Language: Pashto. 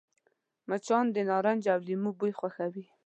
مچان د نارنج او لیمو بوی خوښوي